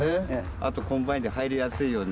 あとコンバインで入りやすいように。